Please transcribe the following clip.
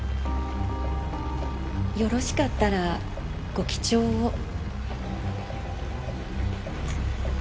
よろしかったらご記帳を。